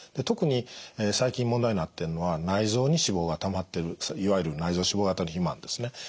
特に最近問題になってるのは内臓に脂肪がたまってるいわゆる内臓脂肪型の肥満ですね。